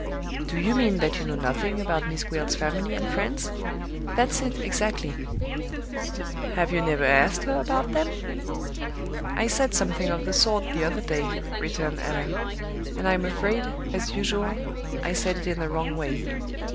"Do you mean that you know nothing about Miss Gwilt's family and friends?" "That's it, exactly." "Have you never asked her about them?" "I said something of the sort the other day," returned Allan: "and I'm afraid, as usual, I said it in the wrong way.